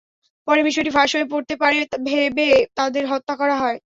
পরে বিষয়টি ফাঁস হয়ে পড়তে পারে ভেবে তাদের হত্যা করা হয়।